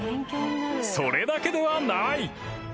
［それだけではない］